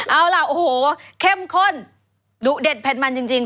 เอาล่ะโอ้โหเข้มข้นดุเด็ดเผ็ดมันจริง